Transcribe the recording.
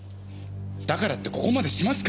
だからってここまでしますか？